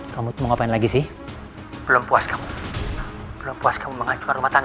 kamu mau ngapain lagi sih belum puas kamu belum puas kamu mengajukan rumah tangga